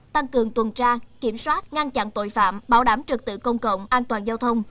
tăng cường tuần tra kiểm soát ngăn chặn tội phạm bảo đảm trực tự công cộng an toàn giao thông